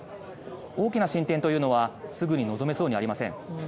大きな進展というのはすぐに望めそうにありません。